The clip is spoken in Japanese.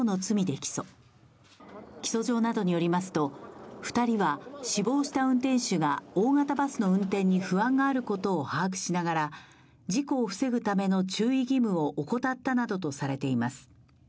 起訴状などによりますと、２人は死亡した運転手が大型バスの運転に不安があることを把握しながら事故を防ぐための注意義務を怠ったなどとしています。